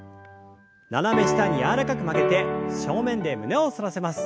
斜め下に柔らかく曲げて正面で胸を反らせます。